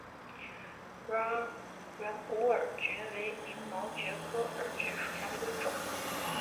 软骨耳蕨为鳞毛蕨科耳蕨属下的一个种。